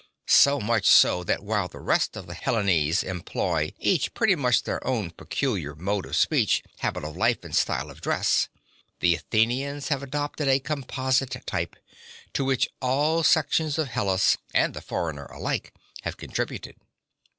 So much so that while the rest of the Hellenes employ (6) each pretty much their own peculiar mode of speech, habit of life, and style of dress, the Athenians have adopted a composite type, (7) to which all sections of Hellas, and the foreigner alike, have contributed.